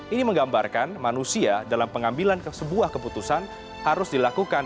ini menggambarkan manusia dalam pengambilan sebuah keputusan harus dilakukan